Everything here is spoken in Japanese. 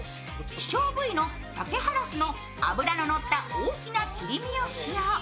希少部位のさけハラスの脂ののった大きな切り身を使用。